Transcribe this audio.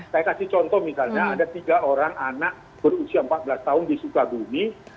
saya kasih contoh misalnya ada tiga orang anak berusia empat belas tahun di sukabumi